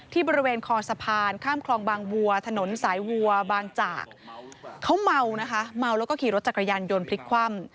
บริเวณคอสะพานข้ามคลองบางวัวถนนสายวัวบางจากเขาเมานะคะเมาแล้วก็ขี่รถจักรยานยนต์พลิกคว่ำ